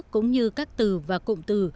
cũng như các từ và cụm từ